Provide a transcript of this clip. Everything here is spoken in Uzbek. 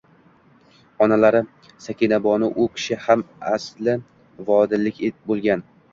Onalari Sakinabonu. U kishi ham asli vodillik bo’lgan.